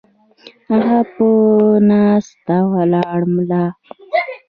هغه پۀ ناسته ولاړه ملا